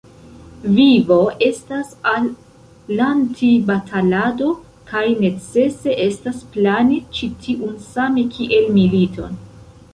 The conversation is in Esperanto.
Vivo estas al Lanti batalado, kaj necese estas plani ĉi tiun same kiel militon.